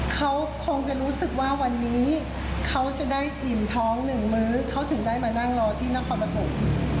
เขาคงจะรู้สึกว่าวันนี้เขาจะได้อิ่มท้องหนึ่งมื้อเขาถึงได้มานั่งรอที่นครปฐม